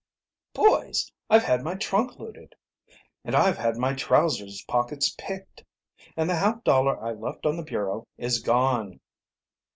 "Boys, I've had my trunk looted!" "And I've had my trousers' pockets picked!" "And the half dollar I left on the bureau is gone!"